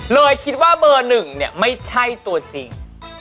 เลยคิดว่าเบอร์หนึ่งเนี่ยไม่ใช่ตัวจริง